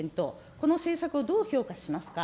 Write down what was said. この政策をどう評価しますか。